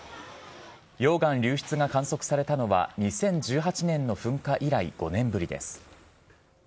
溶岩流出が観測されたのは２０１８年の噴火以来５年ぶりです。